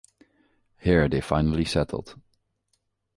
Here they finally settled.